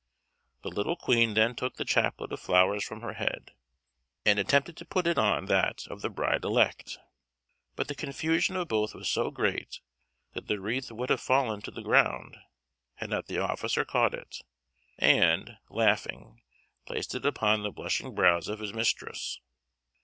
The little Queen then took the chaplet of flowers from her head, and attempted to put it on that of the bride elect; but the confusion of both was so great, that the wreath would have fallen to the ground had not the officer caught it, and, laughing, placed it upon the blushing brows of his mistress.